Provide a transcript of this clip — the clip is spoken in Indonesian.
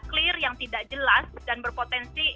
clear yang tidak jelas dan berpotensi